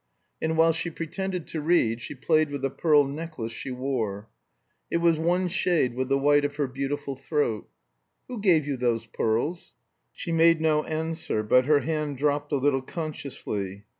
And while she pretended to read she played with the pearl necklace she wore. It was one shade with the white of her beautiful throat. "Who gave you those pearls?" She made no answer, but her hand dropped a little consciously.